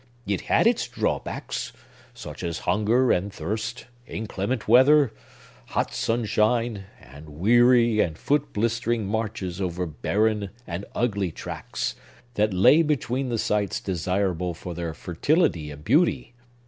It had its drawbacks; such as hunger and thirst, inclement weather, hot sunshine, and weary and foot blistering marches over barren and ugly tracts, that lay between the sites desirable for their fertility and beauty.